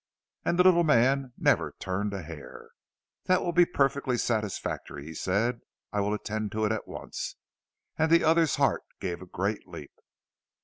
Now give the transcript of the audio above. And the little man never turned a hair! "That will be perfectly satisfactory," he said. "I will attend to it at once." And the other's heart gave a great leap.